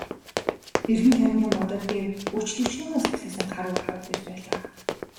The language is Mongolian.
Эргэн тойрны модод дээр өч төчнөөн сагсайсан хар үүр харагдаж байлаа.